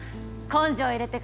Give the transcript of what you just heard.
「根性入れて」って。